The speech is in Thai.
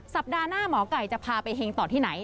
สัปดาห์หน้าหมอไก่จะพาไปเฮงต่อที่ไหน